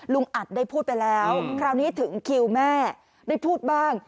อัดได้พูดไปแล้วคราวนี้ถึงคิวแม่ได้พูดบ้าง